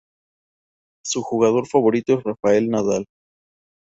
Su jugador favorito es Rafael Nadal.